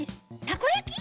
たこやき？